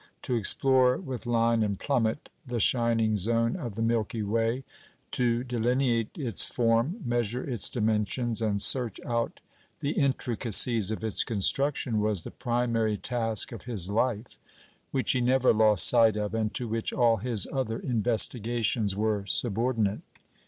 To explore with line and plummet the shining zone of the Milky Way, to delineate its form, measure its dimensions, and search out the intricacies of its construction, was the primary task of his life, which he never lost sight of, and to which all his other investigations were subordinate.